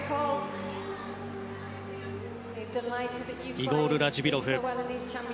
イゴール・ラジビロフ。